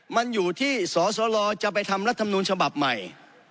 มันอยู่ที่สสลจะไปทำรัฐมนูลฉบับใหม่